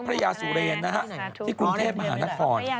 พระยาสุเรนนะครับที่กรุงเทพฯมาก่อน